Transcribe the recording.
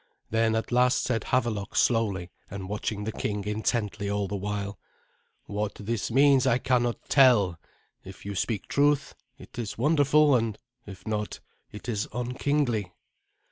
Then at last said Havelok slowly, and watching the king intently all the while, "What this means I cannot tell. If you speak truth, it is wonderful; and if not, it is unkingly."